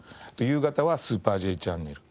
夕方は『スーパーＪチャンネル』